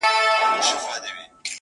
ته به وایې نې خپلوان نه یې سیالان دي،